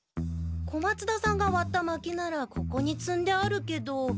小松田さんがわった薪ならここにつんであるけど。